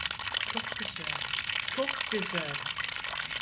Çok güzel, çok güzel.